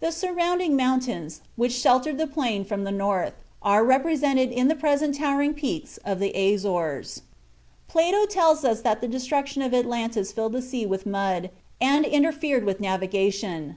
"The surrounding mountains," which sheltered the plain from the north, are represented in the present towering peaks of the Azores. Plato tells us that the destruction of Atlantis filled the sea with mud, and interfered with navigation.